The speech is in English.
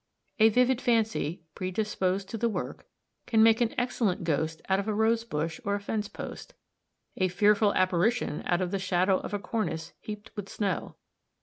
A vivid fancy, predisposed to the work, can make an excellent ghost out of a rose bush or a fence post a fearful apparition out of the shadow of a cornice heaped with snow.